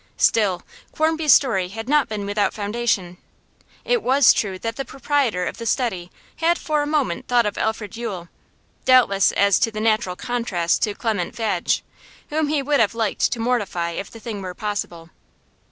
Still, Quarmby's story had not been without foundation; it was true that the proprietor of The Study had for a moment thought of Alfred Yule, doubtless as the natural contrast to Clement Fadge, whom he would have liked to mortify if the thing were possible.